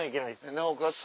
なおかつ